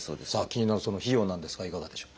気になるその費用なんですがいかがでしょう？